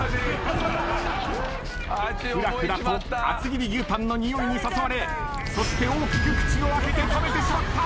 ふらふらと厚切り牛タンのにおいに誘われそして大きく口を開けて食べてしまった。